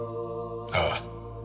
ああ。